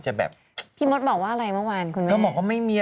แบบพี่มดบอกว่าอะไรเมื่อวานคุณแม่ก็บอกว่าไม่มี